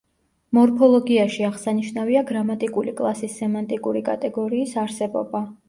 მორფოლოგიაში აღსანიშნავია გრამატიკული კლასის სემანტიკური კატეგორიის არსებობა.